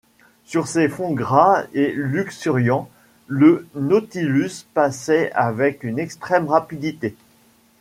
Sur ces fonds gras et luxuriants, le Nautilus passait avec une extrême rapidité.